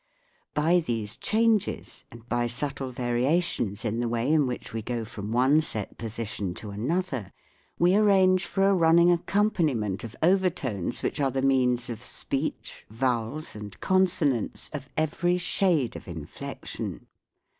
By these changes and by subtle variations in the way in which we go from one set position to another, we arrange for a running accompaniment of over tones which are the means of speech, vowels, and consonants of every shade of inflection.